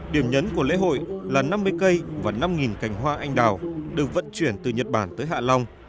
điểm nhấn của lễ hội là năm mươi cây và năm cành hoa anh đào được vận chuyển từ nhật bản tới hạ long